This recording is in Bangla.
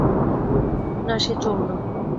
না, সে চোর না।